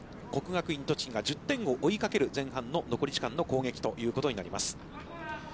国学院栃木が１０点を追いかける前半の残り時間の攻撃ということになります。